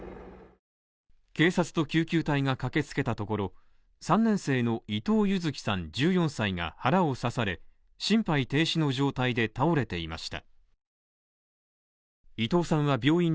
警察と救急隊が駆けつけたところ、３年生の伊藤柚輝さん、１４歳が腹を刺され、心肺停止の状態で倒れていました。